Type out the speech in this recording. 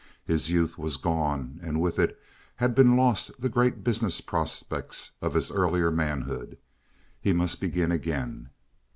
His youth was gone, and with it had been lost the great business prospects of his earlier manhood. He must begin again.